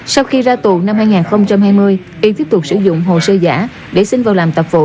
sau khi ra tù năm hai nghìn hai mươi yên tiếp tục sử dụng hồ sơ giả để sinh vào làm tập vụ